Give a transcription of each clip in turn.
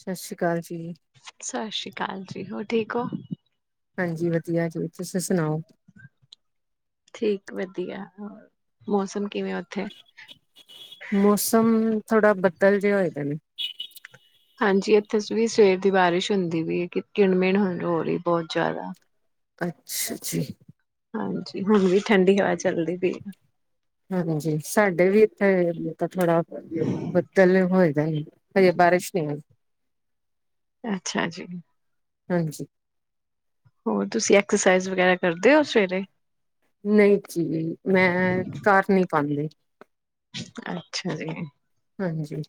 ਸਤਿ ਸ੍ਰੀ ਅਕਾਲ ਜੀ ਸਤਿ ਸ਼੍ਰੀ ਅਕਾਲ ਕਾਲਜੀੀ ਹੋਰ ਠੀਕ ਹੋ ਹਾਂਜੀ ਵਧੀਆ ਜੀ, ਤੁਸੀਂ ਸੁਣਾਓ ਠੀਕ ਵਧੀਆ ਹੋ ਮੌਸਮ ਕਿਵੇਂ ਉੱਥੇ? ਮੌਸਮ ਥੋੜਾ ਬਧ ਤਲ ਜੇਏ ਤਨ ਹਾਂਜੀ ਇੱਥੇ ਵੀ ਸਵੇਰ ਦੀ ਬਾਰਿਸ਼ ਹੁੰਦੀ ਵੀ ਹੈ ਕਿ ਕਿਿਣ ਮਿਣ ਹੋ ਰਹੀ ਬਹੁਤ ਜ਼ਿਆਦਾ ਅੱਛਾ ਜੀ ਹਾਂਜੀ ਹੁਣ ਵੀ ਠੰਡੀ ਹਵਾ ਚ ਚਲਦੀ ਪਈ ਹੈ [unintelligible] ਥੌੜਾ ਬੱਦਲੇ ਹੋਏ ਹਾਂ ਹਜ ਬਾਰਿਸ਼ ਨਹੀਂ ਆ ਅੱਛਾ ਜੀ ਹਾਂਜੀ ਹੋਰ ਤੁਸੀਂ ਐਕਸਰਸਾਈਜ਼ ਵਗੈਰਾ ਕਰਦੇ ਹੋ ਸਵੇਰੇ ਨਹੀਂ ਜੀ ਮੈਂ ਘਰ ਨਹੀਂੀ ਪਾਉਂਦੀ ਅੱਛਾ ਜੀ ਹਾਂਜੀ।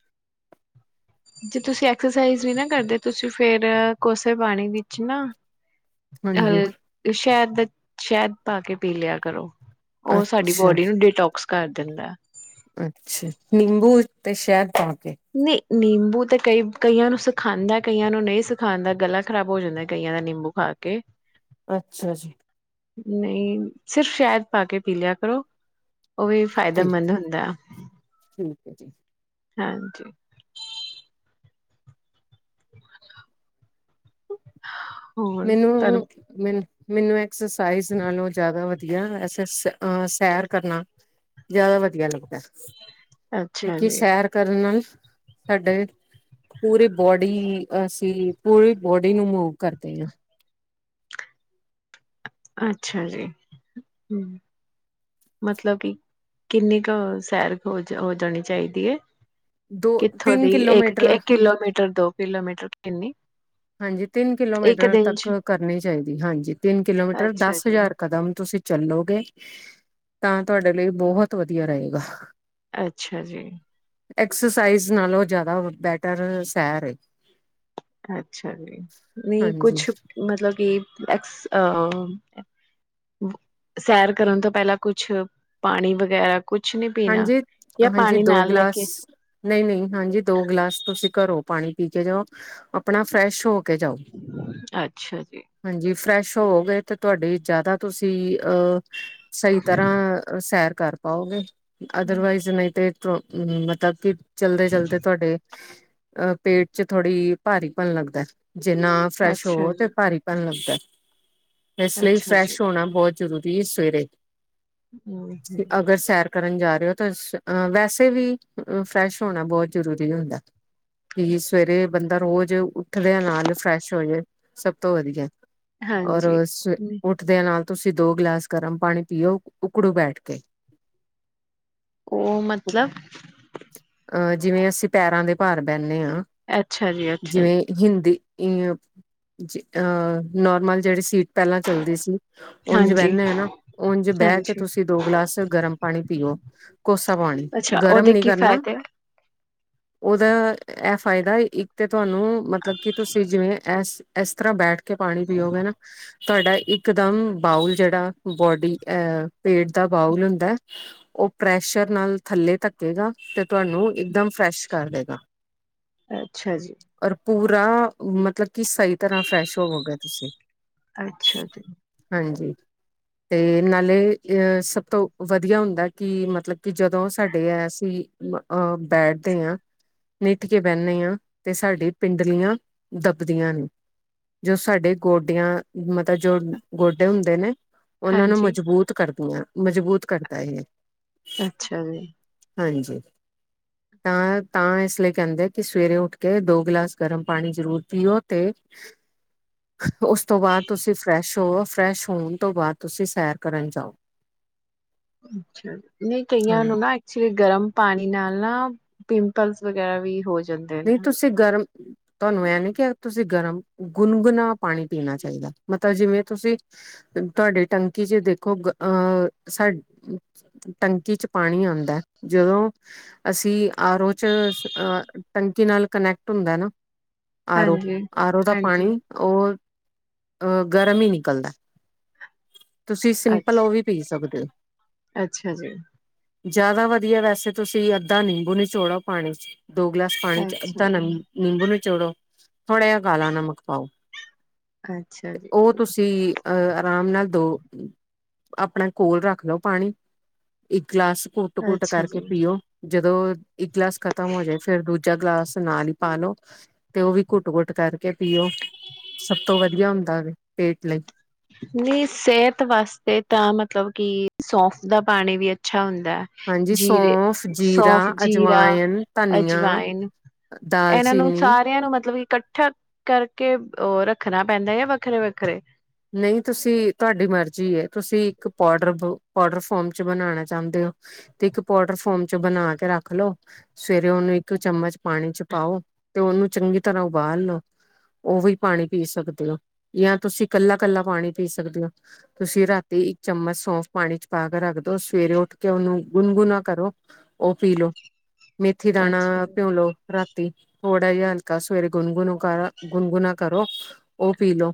ਜੇ ਤੁਸੀਂ ਐਕਸਰਸਾਈਜ਼ ਨੀਨਾ ਕਰਦੇ ਤੁਸੀਂ ਫੇਿਰ ਕੋਸੇ ਪਾਣੀ ਵਿੱਚ ਨਾ ਹਾਂਜੀ, ਅ ਸ਼ਹਿਦ ਦ ਸ਼ਹਿਦ ਪਾ ਕੇ ਪੀ ਲਿਆ ਕਰੋ। ਓ ਸਾਡੀ ਅੱਛਾ, ਬੋਡੀ ਨੂੰ ਡਿਟੋਕਸ ਕਰ ਦਿੰਦਾ। ਅੱਛਾ ਜ ਨਿੰਬੂ ਤੇ ਸ਼ਹਿਦ ਪਾ ਕੇ। ਨਹੀਂ। ਨਿੰਬੂ ਤੇ ਕਈ ਕਈਆਂ ਨੂੰ ਸਿਖਾਂਦਾ, ਕਈਆਂ ਨੂੰ ਨਹੀਂ ਸਿਖਾਂਦਾ ਗਲਾ ਖ਼ਰਾਬ ਹੋ ਜਾਂਦਾ ਕਈਆਂ ਦਾ ਨਿੰਬੂ ਖਾ ਕੇ। ਅੱਛਾ ਜੀ। ਨਹੀਂ, ਸਿਰਫ ਸ਼ਹਿਦ ਪਾ ਕੇ ਪੀ ਲਿਆ ਕਰੋ। ਓ ਵੀ ਫਾਇਦੇਮੰਦ ਹੁੰਦਾ। ਹਾਂਜੀ। ਹਾਂਜੀ। ਹੋਰ ਤੁਹਾਨੂੰ ਮੈਨੂੰ, ਮੈਨੂੰ ਮੈਨੂੰ ਐਕਸਰਸਾਈਜ਼ ਨਾਲੋਂ ਜ਼ਿਆਦਾ ਵਧੀਆ ਐਸਸ ਸੈਰ ਕਰਨਾ ਜ਼ਿਆਦਾ ਵਧੀਆ ਲੱਗਦਾ। ਅੱਛਾ ਕਿਉਂਕਿ, ਜੀ ਸੈਰ ਕਰਨ ਨਾਲ ਨ ਸਾਡੇ ਪੂਰੀ ਬੋਡੀ ਅਸੀਂ ਪੂਰੀ ਬੋਡੀ ਨੂੰ ਮੂਵ ਕਰ ਤੇ ਅੱਛਾ ਜੀ। ਹੂੰ ਮਤਲਬ ਕਿ ਕਿੰਨੀ ਕੁ ਸੈਰ ਹੋ ਹੋ ਜਾਣੀ ਚਾਹੀਦੀ ਹੈ? ਦੋ ਕਿੱਥੋਂ ਤਿੰਨ ਦੀ, ਇੱਕ ਕਿਲੋਮੀਟਰ ਇਕ ਕਿਲੋਮੀਟਰ ਦੋ ਕਿਲੋਮੀਟਰ। ਕਿੰਨੀ? ਹਾਂਜੀ, ਤਿੰਨ ਇੱਕ ਕਿਲੋਮੀਟਰ ਦਿਨ ਤੱਕ ਚ ਕਰਨੀ ਚਾਹੀਦੀ। ਹਾਂਜੀ, ਤਿੰਨ ਕਿਲੋਮੀਟਰ ਅੱਛਾ ਦਸ ਜੀ ਹਜ਼ਾਰ ਕਦਮ ਤੁਸੀਂ ਚੱਲੋ। ਤੇ ਤਾਂ ਤੁਹਾਡੇ ਲਈ ਬਹੁਤ ਵਧੀਆ ਰਹੇਗਾ। ਅੱਛਾ ਜੀ। ਐਕਸਰਸਾਈਜ਼ ਨਾਲੋਂ ਜ਼ਿਆਦਾ ਬੈਟਰ ਸੈਰ ਐ। ਅੱਛਾ ਜੀ, ਨਹੀਂ ਕੁਛ ਮਤਲਬ ਕਿ ਐਕਸ ਅ ਸੈਰ ਕਰਨ ਤੋਂ ਪਹਿਲਾਂ ਕੁਛ ਪਾਣੀ ਵਗੈਰਾ ਕੁਛ ਨੀ ਪੀਣਾ। ਹਾਂਜੀ, ਜਾਂ ਹਾਂਜੀ ਪਾਣੀ ਦੋ ਨਾਲ ਲੈ ਗਿਲਾਸ, ਕੇ ਨਹੀਂ-ਨਹੀਂ ਹਾਂਜੀ, ਦੋ ਗਿਲਾਸ ਤੁਸੀਂ ਘਰੋ ਪਾਣੀ ਪੀ ਕੇ ਜਾਓ, ਆਪਣਾ ਫਰੈਸ਼ ਹੋ ਕੇ ਜਾਓ, ਅੱਛਾ ਜੀ। ਹਾਂਜੀ। ਫਰੈਸ਼ ਹੋਵੋਗੇ ਤੇ ਤੁਹਾਡੇ ਜ਼ਿਆਦਾ ਤੁਸੀਂ ਅ ਸਹੀ ਤਰ੍ਹਾਂ ਸੈਰ ਕਰ ਪਾਓਗੇ? ਅਦਰਵਾਈਜ਼ ਨਹੀਂ ਤੇ ਤ ਮਤਲਬ ਕਿ ਚਲਦੇ- ਚਲਦੇ ਤੁਹਾਡੇ ਅ ਪੇਟ ਚ ਥੋੜ੍ਹੀ ਭਾਰੀਪਣ ਲੱਗਦਾ। ਜਿੰਨਾ ਫਰੈਸ਼ ਅੱਛਾ ਹੋਵੋ ਤੇ ਜੀ, ਭਾਰੀ ਪੈਣ ਲੱਗਦਾ। [unintelligible] ਇਸ ਲਈ ਅੱਛਾ ਫਰੈਸ਼ ਹੋਣਾ ਬਹੁਤ ਜ਼ਰੂਰੀ ਸਵੇਰੇ ਓਏ ਹੋਏ ਅਗਰ ਸੈਰ ਕਰਨ ਜਾ ਰਹੇ ਹੋ ਤਾਂ ਅ ਵੈਸੇ ਵੀ ਫਰੈਸ਼ ਹੋਣਾ ਬਹੁਤ ਜ਼ਰੂਰੀ ਹੁੰਦਾ। ਤੁਸੀਂ ਸਵੇਰੇ ਬੰਦਾ ਰੋਜ਼ ਉੱਠਦਿਆਂ ਨਾਲ ਫਰੈਸ਼ ਹੋ ਜਾਏ ਸਭ ਤੋਂ ਵਧੀਆ। ਔਰ ਹਾਂਜੀ। ਸਵੇ ਉੱਠਦਿਆਂ ਨਾਲ ਤੁਸੀਂ ਦੋ ਗਿਲਾਸ ਗਰਮ ਪਾਣੀ ਪੀਓ ਉੱਕੜੂ ਬੈਠ ਕੇ। ਉਹ ਮਤਲਬ ਅਹ ਜਿਵੇਂ ਅਸੀਂ ਪੈਰਾਂ ਦੇ ਭਾਰ ਬਹਿੰਨੇ ਹਾਂ। ਅੱਛਾ ਜੀ, ਅੱਛਾ ਜੀ, ਜਿਵੇਂ ਹਿੰਦੀ ਜ ਅਹ ਨੋਰਮਲ ਜਿਹੜੇ ਸੀਟ ਪਹਿਲਾਂ ਚੱਲਦੀ ਸੀ ਉਂਝ ਹਾਂਜੀ, ਬਹਿੰਦੇ ਹ ਨਾ ਉਂਝ ਬਹਿ ਕੇ ਹਾਂਜੀ। ਤੁਸੀਂ ਦੋ ਗਲਾਸ ਗਰਮ ਪਾਣੀ ਪੀਓ ਕੋਸਾ ਪਾਣੀ ਅੱਛਾ ਗਰਮ ਉਹਦੇ ਨੀ ਕੀ ਕਰਨਾ। ਫਾਇਦੇ ਉਹਦਾ ਇਹ ਫਾਇਦਾ ਇੱਕ ਤੇ ਤੁਹਾਨੂੰ ਮਤਲਬ ਕਿ ਤੁਸੀਂ ਜਿਵੇਂ ਇਸ ਇਸ ਤਰ੍ਹਾਂ ਬੈਠ ਕੇ ਪਾਣੀ ਪੀਓਗੇ ਨਾ। ਤੁਹਾਡਾ ਇਕ ਦਮ ਬਾਊਲ ਜਿਹੜਾ ਬੌਡੀ ਅਹ ਪੇਟ ਦਾ ਬਾਊਲ ਹੁੰਦਾ ਉਹ ਪ੍ਰੈਸ਼ਰ ਨਾਲ ਥੱਲੇ ਧੱਕੇਗਾ ਤੇ ਤੁਹਾਨੂੰ ਇਕਦਮ ਫਰੈਸ਼ ਕਰ ਦੇਗਾ। ਅੱਛਾ ਜੀ। ਔਰ ਪੂਰਾ ਮਤਲਬ ਕਿ ਸਹੀ ਤਰ੍ਹਾਂ ਫਰੈਸ਼ ਹੋਵੋਗੇ ਤੁਸੀਂ, ਅੱਛਾ ਜੀ, ਹਾਂਜੀ। ਤੇ ਨਾਲੇ ਇਹ ਸਭ ਤੋਂ ਵਧੀਆ ਹੁੰਦਾ ਕਿ ਮਤਲਬ ਕਿ ਜਦੋਂ ਸਾਡੇ ਅਸੀਂ ਅਹ ਬੈਠਦੇ ਹਾਂ ਨਿੱਠ ਕੇ ਬਹਿੰਨੇ ਹਾਂ ਤੇ ਸਾਡੀ ਪਿੰਡਲੀਆਂ ਦੱਬਦੀਆਂ ਨੇ ਜੋ ਸਾਡੇ ਗੋਡਿਆਂ ਮਤਲਬ ਜੋ ਗੋਡੇ ਹੁੰਦੇ ਨੇ ਉਹਨਾਂ ਨੂੰ ਹਾਂਜੀ। ਮਜ਼ਬੂਤ ਕਰਦੇ ਮਜ਼ਬੂਤ। ਕਰਦਾ ਹੈ। ਅੱਛਾ ਜੀ ਹਾਂਜੀ ਜੀ, ਤਾਂ, ਤਾਂ ਇਸ ਲਈ ਕਹਿੰਦੇ ਕਿ ਸਵੇਰੇ ਉੱਠ ਕੇ ਦੋ ਗਿਲਾਸ ਗਰਮ ਪਾਣੀ ਜ਼ਰੂਰ ਪੀਓ ਤੇ ਉਸ ਤੋਂ ਬਾਅਦ ਤੁਸੀਂ ਫਰੈਸ਼ ਹੋ ਫਰੈਸ਼ ਹੋਣ ਤੋਂ ਬਾਅਦ ਤੁਸੀਂ ਸੈਰ ਕਰਨ ਜਾਓ ਅੱਛਾ, ਨਹੀਂ ਹਾਂ ਕਈਆਂ ਨੂੰ ਨਹੀਂ ਨਾ ਐਕਚੁਲੀ ਗਰਮ ਪਾਣੀ ਨਾਲ ਨਾ ਪਿੰਪਲਸ ਵਗੈਰਾ ਵੀ ਹੋ ਜਾ ਨਹੀਂ ਤੁਸੀਂ ਗਰਮ ਤੁਹਾਨੂੰ ਇਹ ਨੀ ਕੇਹਾ ਤੁਸੀਂ ਗਰਮ, ਗੁਨਗੁਣਾ ਪਾਣੀ ਪੀਣਾ ਚਾਹੀਦਾ ਮਤਲਬ ਜਿਵੇਂ ਤੁਸੀਂ ਤੁਹਾਡਡੀ ਟੰਕੀ ਚ ਦੇਖੋ ਅਹ ਸਾ ਟੰਕੀ ਚ ਪਾਣੀ ਆਉਂਦਾ ਜਦੋਂ ਅਸੀਂ ਆਰੋ ਚ, ਅਹ ਟੰਕੀ ਨਾਲ ਕਨੈਕਟ ਹੁੰਦਾ ਨਾ ਆਰੋ, ਹਾਂਜੀ। ਆਰੋ ਦਾ ਹਾਂਜੀ, ਪਾਣੀ ਉਹ ਅਹ ਗਰਮ ਹੀ ਨਿਕਲਦਾ ਤੁਸੀਂ ਅੱਛ ਸਿੰਪਲ ਉਹ ਵੀ ਪੀ ਸਕਦੇ ਹੋ ਅੱਛਾ ਜੀ ਜ਼ਿਆਦਾ ਵਧੀਆ ਵੈਸੇ ਤੁਸੀਂ ਅੱਧਾ ਨਿੰਬੂ ਨੀਚੋੜੋ ਪਾਣੀ ਚ ਦੋ ਗਲਾਸ ਪਾਣੀ ਚ ਅੱਛਾ ਅੱਧਾ ਨ ਜੀ, ਨਿੰਬੂ ਨੀਚੋੜੋ ਥੋੜ੍ਹਾ ਜਿਹਾ ਕਾਲਾ ਨਮਕ ਪਾਓ ਅੱਛਾ ਜੀ ਉਹ ਤੁਸੀਂ ਅਹ ਆਰਾਮ ਨਾਲ ਦੋ ਆਪਣਾ ਕੋਲ ਰੱਖ ਲਓ ਪਾਣੀ, ਇੱਕ ਗਲਾਸ ਘੁੱਟ ਘੁੱਟ ਅੱਛਾ ਕਰਕੇ ਜੀ। ਪੀਓ ਜਦੋਂ ਇੱਕ ਗਲਾਸ ਖਤਮ ਹੋ ਜਾਏ ਦੂਜਾ ਗਲਾਸ ਨਾਲ ਹੀ ਪਾਾਲੋ ਤੇ ਉਹ ਵੀ ਘੁੱਟ ਕੁੁੱਟ ਕਰਕੇ ਪੀਓ ਸਭ ਤੋਂ ਵਧੀਆ ਹੁੰਦਾ ਵ ਪੇਟ ਲਈ ਨਹੀਂ ਸਿਹਤ ਵਾਸਤੇ ਤਾਂ ਮਤਲਬ ਕਿ ਸੌਫ ਦਾ ਪਾਣੀ ਵੀ ਅੱਛਾ ਹੁੰਦਾ ਹਾਂਜੀ ਜੀਰੇ ਸੌਂਫ, ਜੀਰਾ, ਸੌਫ ਜੀਰਾ ਅਜਵਾਇਨ, ਧਨੀਆ, ਅਜਵਾਇਨ ਇਹਨਾਂ ਨੂੰ ਦਾਲਚੀਨੀ ਸਾਰਿਆਂ ਨੂੰ ਮਤਲਬ ਇਕੱਠਾ ਕਰਕੇ ਉਹ ਰੱਖਣਾ ਪੈਂਦਾ ਹੈ ਵੱਖਰੇ ਵੱਖਰੇ ਨਹੀਂ ਤੁਸੀਂ ਤੁਹਾਡੀ ਮਰਜ਼ੀ ਹੈ ਤੁਸੀਂ ਇੱਕ ਪਾੋਡਰ ਪਾੋਡਰ ਫੋਮ ਚ ਬਣਾਉਣਾ ਚਾਹੁੰਦੇ ਹੋ ਤੇ ਇੱਕ ਪਾਡਰ ਫੋਮ ਚ ਬਣਾ ਕੇ ਰੱਖ ਲਓ ਸਵੇਰੇ ਉਹਨੂੰ ਇੱਕ ਚਮਚ ਪਾਣੀ ਚ ਪਾਓ ਤੇ ਉਹਨੂੰ ਚੰਗੀ ਤਰ੍ਹਾਂ ਉਬਾਲ ਲਓ ਉਹ ਵੀ ਪਾਣੀ ਪੀ ਸਕਦੇ ਹੋ ਜਾਂ ਤੁਸੀਂ ਕੱਲਾ ਕੱਲਾ ਪਾਣੀ ਪੀ ਸਕਦੇ ਹੋ ਤੁਸੀਂ ਰਾਤੀ ਇੱਕ ਚਮਚ ਸੌਂਫ ਪਾਣੀ ਚ ਪਾ ਕੇ ਰੱਖਦੋ ਸਵੇਰੇ ਉੱਠ ਕੇ ਉਹਨੂੰ ਗੁਨਗੁਣਾ ਕਰੋ ਉਹ ਪੀ ਲੋ ਮੇਥੀ ਦਾਣਾ ਅੱਛਾ ਜੀ, ਭਿਉਲੋ ਰਾਤੀ ਥੋੜਾ ਜਿਹਾ ਹਲਕਾ ਸਵੇਰੇ ਗੁਨਗੁਨ ਕਰ ਗੁਨਗੁਣਾ ਕਰੋ ਔ ਪੀਲੋ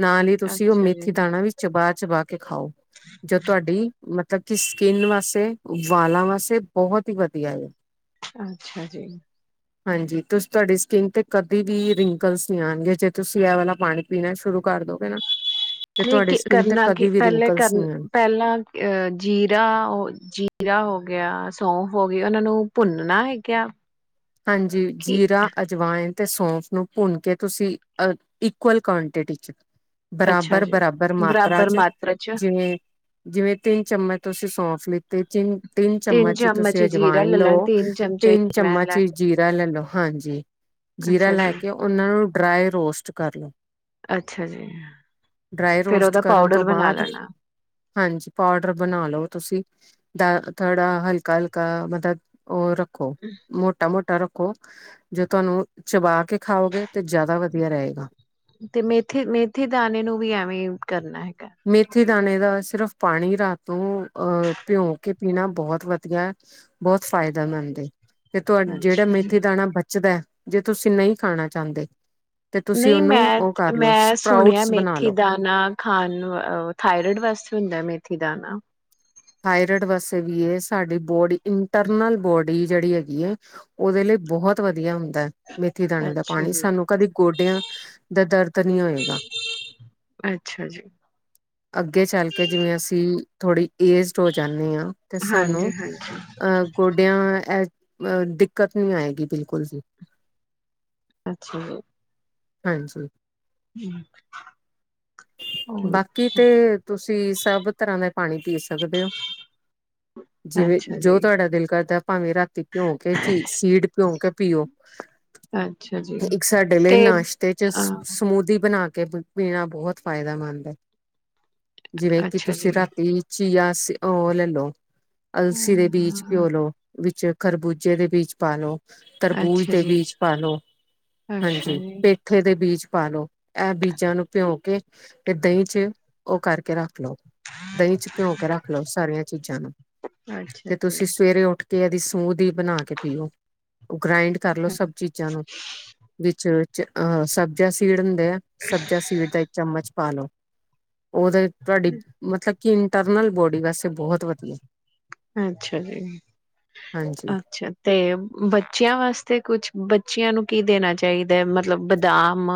ਨਾਲ ਹੀ ਤੁਸੀਂ ਉਹ ਅੱਛਾ ਮੇਥੀ ਜੀ, ਦਾਣਾ ਵੀ ਚਬਾ ਚਬਾ ਕੇ ਖਾਓ ਜੋ ਤੁਹਾਡੀ ਮਤਲਬ ਕਿ ਸਕਿੰਨ ਵਾਸਤੇ ਵਾਲਾਂ ਵਾਸਤੇ ਬਹੁਤ ਹੀ ਵਧੀਆ ਹੈ ਅੱਛਾ ਜੀ ਹਾਂਜੀ ਤੁਸੀਂ ਤੁਹਾਡੀ ਸਕਿੰਨ ਤੇ ਕਦੇ ਵੀ ਰਿੰਕਲਸ ਨਹੀਂ ਆਉਣਗੇ ਜੇ ਤੁਸੀਂ ਇਹ ਵਾਲਾ ਪਾਣੀ ਪੀਣਾ ਸ਼ੁਰੂ ਕਰ ਦੋਗੇ ਨਾ ਤੇ ਨਹੀਂ ਤੁਹਾਡੀ ਸਕਿੰਨ ਤੇ ਕਰਨਾ ਕੀ ਕਦੇ ਵੀ ਪਹਿਲੇ ਕਰ ਰਿੰਕਲਸ ਨਹੀਂ ਆਣ ਪਹਿਲਾਂ ਅ ਜੀਰਾ ਉਹ ਜੀਰਾ ਹੋ ਗਿਆ ਸੌਫ ਹੋ ਗਈ ਉਹਨਾਂ ਨੂੰ ਭੁੰਨਣਾ ਹੈ ਕਯਾ ਹਾਂਜੀ ਜੀਰਾ ਅਜਵਾਇਨ ਅਤੇ ਸੌਂਫ ਨੂੰ ਭੁੰਨ ਕੇ ਤੁਸੀਂ ਇਕੁਅਲ ਕੁਆਂਟਿਟੀ 'ਚ ਅੱਛਾ ਬਰਾਬਰ ਜੀ, ਬਰਾਬਰ ਮਾਤਰਾ ਬਰਾਬਰ ਚ ਮਾਤਰਾ ਜਿਵੇਂ ਜਿਵੇਂ ਤਿੰਨ ਚਮਚ ਤੁਸੀਂ ਸੌਂਫ ਤੇ ਚੀ ਤਿੰਨ ਚਮਚ ਤੁਸੀਂ ਜੀਰਾ ਅਜਵਾਇ ਲੈ ਲੈਣਾ ਲਓ ਤਿੰਨ ਚਮਚੇ ਤਿੰਨ ਅਜਵੈਨ ਚਮਚ ਜੀ ਲੈਣੀ ਜੀਰਾ ਲੈ ਲੋ ਹਾਂਜੀ ਜੀਰਾ ਅੱਛਾ ਲੈ ਜੀ ਕੇ ਉਹਨਾਂ ਨੂੰ ਡਰਾਏ ਰੋਸਟ ਕਰ ਲਓ ਅੱਛਾ ਜੀ ਡਰਾਈ ਫੇਰ ਰੋਸਟ ਉਹਦਾ ਕਰਨ ਪਾਊਡਰ ਤੋਂ ਬਣਾ ਬਾਅਦ ਲੈਣਾ ਹਾਂਜੀ ਪਾਊਡਰ ਬਣਾ ਲਓ ਤੁਸੀਂ ਦਾ ਥੋੜਾ ਹਲਕਾ ਹਲਕਾ ਮਤਲਬ ਉਹ ਰ ਹਮ ਮੋਟਾ ਮੋਟਾ ਰੱਖੋ ਜੋ ਤੁਹਾਨੂੰ ਚਬਾ ਕੇ ਖਾਓਗੇ ਤੇ ਜ਼ਿਆਦਾ ਵਧੀਆ ਰਹੇਗਾ। ਤੇ ਮੇਥੇ ਮੇਥੇ ਦਾਣੇੇ ਨੂੰ ਵੀ ਐਵੇਂ ਕਰਨਾ ਹੈਗਾ ਮੇਥੀ ਦਾਣੇ ਦਾ ਸਿਰਫ਼ ਪਾਣੀ ਰਾਤ ਤੋਂ ਅਹ ਭਿਉ ਕੇ ਪੀਣਾ ਬਹੁਤ ਵਧੀਆ ਬਹੁਤ ਫਾਇਦੇਮੰਦ ਏ ਤੇ ਤੁਹਾਾ ਜਿਹੜਾ ਅੱਛਾ ਜੀ ਮੇਥ ਦਾਣਾ ਬ [unintelligible] ਜੇ ਤੁਸੀਂ ਨਹੀਂ ਖਾਣਾ ਚਾਹੁੰਦੇ ਤੇ ਤੁਸੀਂ ਨਹੀਂ ਉਹਨੂੰ ਮੈਂ ਉਹ ਕਰ ਲਓ ਮੈਂ ਸੁਣਿਆ ਸਪਰਾਊਟਸ ਬਣਾ ਮੇਥੀ ਲਓ। ਦਾਾਨ ਖਾਣ ਥਾਇਰੋਇਡ ਵਾਸਤੇ ਹੁੰਦਾ ਮੇਥ ਠ ਦਾਾਨ ਥਾਇਰਇਡ ਵਾਸੇ ਵੀ ਇਹ ਸਾਡੀ ਬੋਡੀ ਇੰਟਰਨਲ ਬੋਰਡ [unintelligible] ਜਿਹੜੀ ਹੈਗੀ ਉਹਦੇ ਲਈ ਬਹੁਤ ਵਧੀਆ ਹੁੰਦੀ ਮੇਥੀ ਦਾਣੇ ਦਾ ਅੱਛਾ ਪਾਣੀ ਜੀ ਸਾਨੂੰ ਕਦੇ ਗੋਡਿਆਂ ਦਾ ਦਰਦ ਨਹੀਂ ਹੋਏਗਾ ਅੱਛਾ ਜੀ ਅੱਗੇ ਚੱਲ ਕੇ ਜਿਵੇਂ ਅਸੀਂ ਥੋੜੀ ਏਜਡ ਹੋ ਜਾਂਦੇ ਹਾਂ ਤੇ ਹਾਂਜੀ ਸਾਨੂੰ ਹਾਂਜੀ ਅਹ ਗੋਡਿਆਂ ਅ ਦਿੱਕਤ ਨਹੀਂੀ ਆਏਗੀ ਬਿਲਕੁਲ ਵੀ ਅੱਛਾ ਜੀ ਹਾਂ ਹੋਰ ਬਾਕੀ ਤੇ ਤੁਸੀਂ ਤੁ ਸਭ ਤਰ੍ਹਾਂ ਦਾ ਪਾਣੀ ਦੇ ਸਕਦੇ ਹੋ ਜਿਵੇਂ ਅੱਛਾ ਜੋ ਜੀ ਤੁਹਾਡਾ ਦਿਲ ਕਰਦਾ ਭਾਵੇਂ ਰਾਤੀ ਭਿਉ ਕੇ ਚ ਸੀਡ ਭਿਉਂ ਕੇ ਪੀਓ ਅੱਛਾ ਜੀ ਤੇ ਰਿਸ਼ਤੇ ਚ ਅ ਸਮੂਦੀ ਬਣਾ ਕੇ ਕਿ ਪੀਣਾ ਬਹੁਤ ਫਾਇਦੇਮੰਦ ਹੈ ਜਿਵੇਂ ਕਿ ਅੱਛਾ ਤੁਸੀਂ ਜੀ ਰਾਤੀ ਚੀਆਸੀ ਉਹ ਲਲੋ ਅਲਸੀ ਦੇ ਬੀਜ ਘਿਓਲਓ ਵਿੱਚ ਖਰਬੂਜੇ ਦੇ ਬੀਜ ਪਾ ਲ ਲੋ ਤਰਬੂਜ ਅੱਛਾ ਦੇ ਜੀ ਬੀਜ ਪਾ ਲੋ ਅੱਛਾ ਹਾਂਜੀ ਜੀ ਪੇ ਮਠੇ ਦੇ ਬੀਜ ਪਾ ਲਓ ਇਹ ਬੀਜਾਂ ਨੂੰ ਭਿਉ ਕੇ ਤੇ ਦਹੀਂ ਚ ਉਹ ਕਰਕੇ ਰੱਖ ਰੱਖ ਲਓ ਦਹੀਂ ਚ ਭਿਉਂ ਕੇ ਰੱਖ ਲਓ ਸਾਰੀਆਂ ਚੀਜ਼ਾਂ ਨੂੰ ਅੱਛਾ ਤੇ ਜੀ, ਤੁਸੀਂ ਸਵੇਰੇ ਉੱਠ ਕੇ ਇਹਦੀ [unintelligible] ਦੀ ਬਣਾ ਕੇ ਪੀਓ ਗ੍ਰਾਇੰਡ ਕਰਲੋ ਸਭ ਚੀਜ਼ਾਂ ਨੂੰ ਵਿੱਚ ਅਹ ਸਦਿਆ ਸ ਸੀੜਨ ਸਬਜ਼ਾ ਸੀਡ ਦਾ ਇੱਕ ਚਮਚ ਪਾ ਲੋੋ ਉਹਦੇ ਤੁਹਾਡੀ ਮਤਲਬ ਕਿ ਇੰਟਰਨਲ ਬੋਡੀ ਵੈਸੇ ਬਹੁਤ ਵਧੀਆ ਅੱਛਾ ਜੀ ਹਾਂਜੀ ਅੱਛਾ ਤੇ ਬੱਚਿਆਂ ਵਾਸਤੇ ਕੁਛ ਬੱਚਿਆਂ ਨੂੰ ਕੀ ਦੇਣਾ ਚਾਹੀਦਾ ਹੈ ਮਤਲਬ ਬਦਾਮ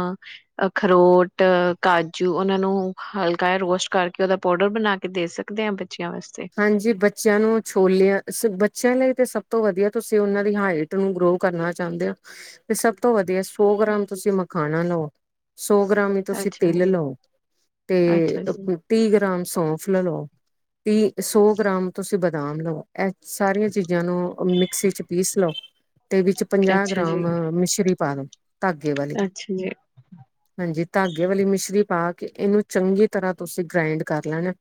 ਅਖਰੋਟ ਕਾਜੂ ਉਹਨਾਂ ਨੂੰ ਹਲਕਾ ਰੋਸਟ ਕਰਕੇ ਉਹਦਾ ਪਾੋਡਰ ਬਣਾ ਕੇ ਦੇ ਸਕਦੇ ਆ ਬ ਹਾਂਜੀ ਬੱਚਿਆਂ ਨੂੰ ਛੋਲਿਆਂ ਬੱਚਿਆਂ ਲਈ ਤੇ ਸਭ ਤੋਂ ਵਧੀਆ ਤੁਸੀਂ ਉਹਨਾਂ ਦੀ ਹਾਈਟ ਨੂੰ ਗਰੋ ਕਰਨਾ ਚਾਹੁੰਦੇ ਹੋ ਤੇ ਸਭ ਤੋਂ ਵਧੀਆ ਸੌ ਗ੍ਰਾਮ ਤੁਸੀਂ ਮਖਾ ਹਨ ਨੂੰ ਸੌ ਗ੍ਰਾਮ ਹੀ ਤੁਸੀਂ ਅੱਛਾ, ਤਿਲ ਲਓ ਤੇ ਅੱਛਾ ਜੀ, ਤੀਹ ਗ੍ਰਾਮ ਸੌਫ ਲ ਲੋ ਵੀ ਸੌ ਗ੍ਰਾਮ ਤੁਸੀਂ ਬਦਾਮ ਲਓ ਇਹ ਸਾਰੀਆਂ ਚੀਜ਼ਾਂ ਨੂੰ ਮਿਕਸੀ ਚ ਪੀਸ ਲਓ ਤੇ ਵਿੱਚ ਪੰਜਾਹ ਅੱਛਾ ਜੀ, ਗ੍ਰਾਮ ਮਿਸ਼ਰੀ ਪਾਾਨ ਧਾਗੇ ਵਾਲੇ ਅੱਛਾ ਜੀ। ਹਾਂਜੀ ਧਾਗੇ ਵਾਲੀ ਮਿਸ਼ਰੀ ਪਾ ਕੇ ਇਹਨੂੰ ਚੰਗੀ ਤਰ੍ਹਾਂ ਤੁਸੀਂ ਗ੍ਰਾਇੰਡ ਕਰ ਲੈਣਾ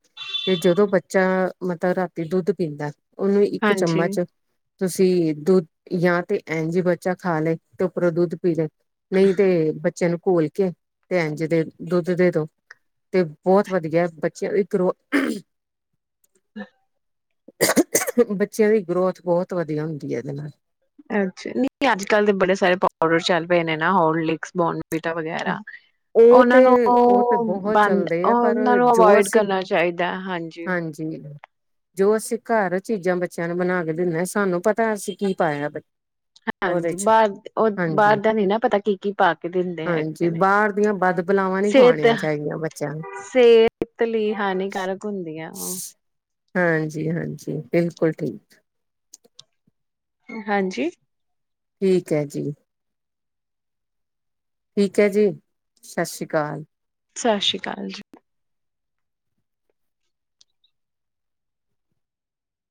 ਤੇ ਜਦੋਂ ਬੱਚੇ ਜਾਂ ਮਤਲਬ ਰਾਤੀ ਦੁੱਧ ਪੀਂਦਾ ਉਹਨੂੰ ਇੱਕ ਹਾਂਜੀ, ਚਮਚ ਤੁਸੀਂ ਦੁੱਧ ਜਾਂ ਤੇ ਐਨ ਜਿ ਬੱਚਾ ਖਾ ਲੈ ਤੇ ਉੱਪਰੋਂ ਦੁੱਧ ਨਹੀਂ ਤੇ ਬੱਚਿਆਂ ਨੂੰ ਘੋਲ ਕੇ ਤੇ ਇੰਝ ਦੇ ਦੁੱਧ ਦੇ ਦੋ ਤੇ ਬਹੁਤ ਵਧੀਆ ਬੱਚੇ ਇੱਕ ਰੋ ਹਮ ਬੱਚਿਆਂ ਦੀ ਗਰੋਥ ਬਹੁਤ ਵਧੀਆ ਹੁੰਦੀ ਹੈ ਇਹਦੇ ਨਾਲ। ਅੱਛਾ, ਨਹੀਂ ਤਾਂ ਅੱਜ ਕੱਲ ਦੇ ਬੜੇ ਸਾਰੇ ਪਾਊਡਰ ਚੱਲ ਪਏ ਨੇ ਨਾ, ਹੋਰਲਿਕਸ, ਬੋਰਨ। ਮਿਰਚਾਂ ਵਗੈਰਾ, ਉਹ ਉਹਨਾਂ ਤੇ ਨੂੰ ਉਹ ਤੇ ਬਹੁਤ ਬੰਦ ਚੱਲਦੇ ਆ ਪਰ ਉਹਨਾਂ ਨੂੰ ਜੋ ਅਵੋਇਡ ਅਸੀਂ ਕਰਨਾ ਚਾਹੀਦਾ, ਹਾਂਜੀ। ਜੋ ਅਸੀਂ ਘਰ ਚੀਜ਼ਾਂ ਬੱਚਿਆਂ ਨੂੰ ਬਣਾ ਕੇ ਦਿੰਦੇ ਹਾਂ, ਸਾਨੂੰ ਪਤਾ ਅਸੀਂ ਕੀ ਪਾਇਆ। ਉਹਦੇ ਹਾਂਜੀ, ਚ ਬਾਹਰ ਉਹ ਬਾਹਰ ਹਾਂਜੀ ਦਾ ਨੀ ਨਾ ਪਤਾ ਕੀ ਕੀ ਪਾ ਕੇ ਦਿੰ ਹਾਂਜੀ ਹੈਗੇ ਨੇ, ਬਾਹਰ ਦੀਆਂ ਬਦ ਬਲਾਵਾਂ ਨਹੀਂ ਸਿਹਤ ਖਵਾਉਣੀਆਂ ਚਾਹੀਦੀਆਂ ਬੱਚਿਆਂ ਨੂੰ ਸਿਹਤ ਲਈ ਹਾਨੀਕਾਰਕ ਹੁੰਦੀਆਂ ਆ ਉਹ। ਹਾਂਜੀ ਹਾਂਜੀ ਬਿਲਕੁਲ ਠੀਕ। ਹਾਂਜੀ। ਠੀਕ ਹੈ ਜੀ। ਠੀਕ ਹੈ ਜੀ, ਸਤਿ ਸ਼੍ਰੀ ਅਕਾਲ। ਸਤਿ ਸ਼੍ਰੀ ਅਕਾਲ ਜੀ।